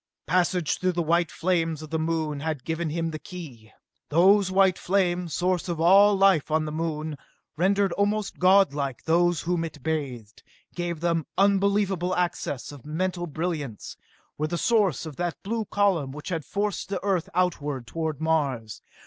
Passage through the white flames of the Moon had given him the key. Those white flames source of all life on the Moon rendered almost godlike those whom it bathed ... gave them unbelievable access of mental brilliance ... were the source of that blue column which had forced the Earth outward toward Mars